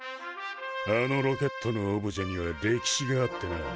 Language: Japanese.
あのロケットのオブジェには歴史があってな。